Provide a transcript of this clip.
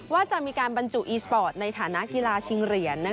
ว่าจะมีการบรรจุอีสปอร์ตในฐานะกีฬาชิงเหรียญ